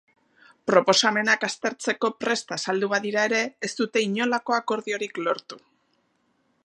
Proposamenak aztertzeko prest azaldu badira ere, ez dute inolako akordiorik lortu.